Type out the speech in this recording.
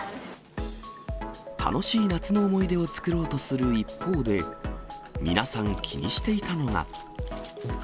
楽しい夏の思い出を作ろうとする一方で、皆さん、気にしていたのが。